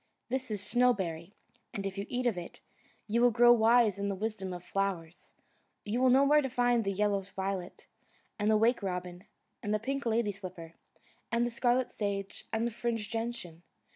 This is Snowberry, and if you eat of it, you will grow wise in the wisdom of flowers. You will know where to find the yellow violet, and the wake robin, and the pink lady slipper, and the scarlet sage, and the fringed gentian.